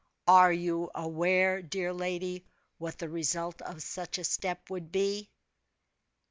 "Are you aware, dear lady, what the result of such a step would be?"